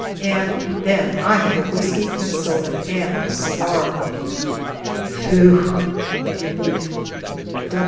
And then I have a whisky and soda and a cigar. Phew ! the relief.